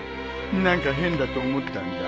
何か変だと思ったんだ。